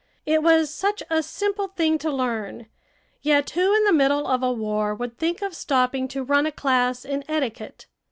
It was such a simple thing to learn; yet who in the middle of a war would think of stopping to run a class in etiquette?